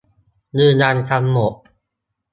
ยืนยันกันหมด